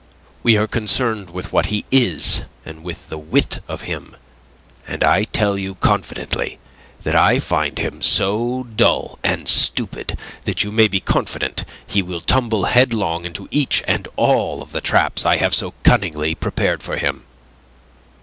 We are concerned with what he is, with the wit of him. And I tell you confidently that I find him so dull and stupid that you may be confident he will tumble headlong into each and all of the traps I have so cunningly prepared for him."